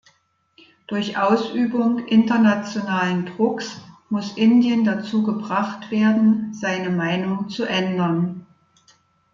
Durch Ausübung internationalen Drucks muss Indien dazu gebracht werden, seine Meinung zu ändern.